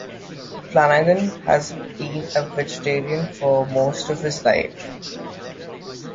Flanagan has been a vegetarian for most of his life.